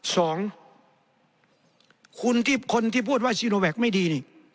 สองคนที่พูดว่าซีโนแวกไม่ดี